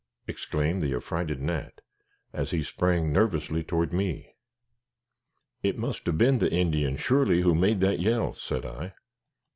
exclaimed the affrighted Nat, as he sprang nervously toward me. "It must have been the Indian, surely, who made that yell," said I.